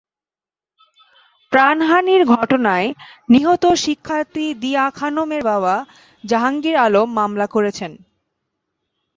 প্রাণহানির ঘটনায় নিহত শিক্ষার্থী দিয়া খানমের বাবা জাহাঙ্গীর আলম মামলা করেছেন।